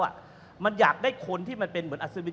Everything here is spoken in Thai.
กล้าวมันอยากได้คนเหมือนอสลิวิท